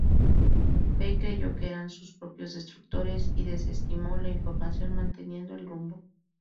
Bey creyó que eran sus propios destructores y desestimó la información manteniendo el rumbo.